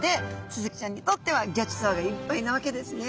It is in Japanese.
スズキちゃんにとってはギョちそうがいっぱいなわけですね。